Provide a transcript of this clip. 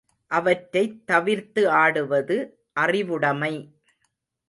அவற்றைத் தவிர்த்து ஆடுவது அறிவுடமை.